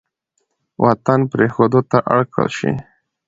وطـن پـرېښـودو تـه اړ کـړل شـي.